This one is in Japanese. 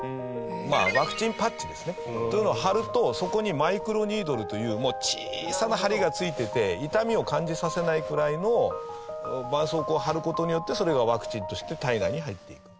まあワクチンパッチですねというのを貼るとそこにマイクロニードルというもう小さな針がついてて痛みを感じさせないくらいの絆創膏を貼る事によってそれがワクチンとして体内に入っていく。